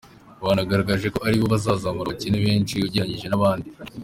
Banagaragaje ko ari bo bazamura abakene benshi ugereranyije n’abandi”.